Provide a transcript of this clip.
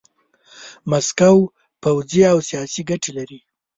ماسکو پوځي او سیاسي ګټې لري.